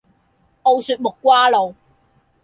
澳雪木瓜露